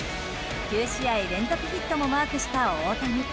９試合連続ヒットもマークした大谷。